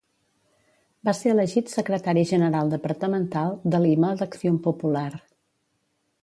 Va ser elegit secretari general departamental de Lima d'Acción Popular.